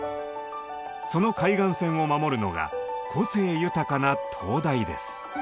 その海岸線を守るのが個性豊かな灯台です。